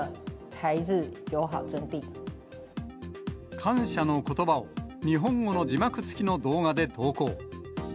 感謝のことばを日本語の字幕付きの動画で投稿。